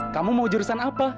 kamu mau jurusan apa